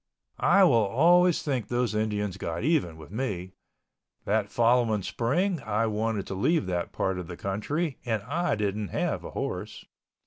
I will always think those Indians got even with me. That following spring I wanted to leave that part of the country, and I didn't have a horse.